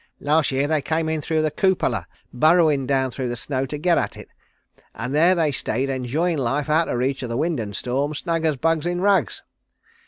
Last year they came in through the cupola, burrowin' down through the snow to get at it, and there they stayed enjoyin' life out o' reach o' the wind and storm, snug's bugs in rugs.